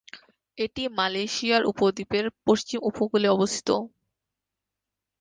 এটি মালয়েশিয়ার উপদ্বীপের পশ্চিম উপকূলে অবস্থিত।